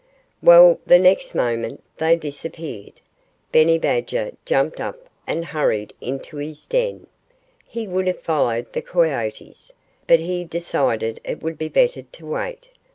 Well, the moment they disappeared, Benny Badger jumped up and hurried into his den. He would have followed the coyotes, but he decided it would be better to wait.